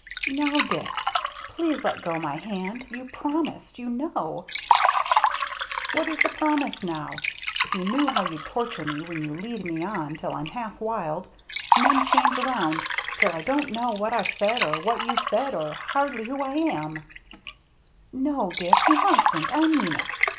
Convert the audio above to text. "Now, Dick — please let go my hand — you promised, you know —"" What is a promise now ! If you knew how you torture me when you lead me on till I'm half wild and then change around till I don't know what iVe said or what you've said or hardly who I am —" 40 THE MERRT JNNE " No, Dick, you mustn't — I mean it.